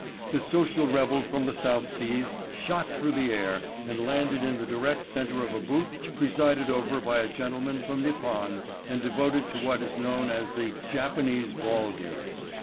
The social rebel from the South Seas shot through the air and landed in the direct center of a booth presided over by a gentleman from Nippon and devoted to what is known as the "Japanese ball game."